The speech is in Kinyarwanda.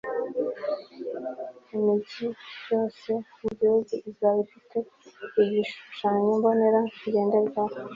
imigi yose mu gihugu izaba ifite igishushanyo mbonera ngenderwaho